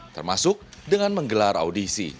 termasuk dengan menggelar audisi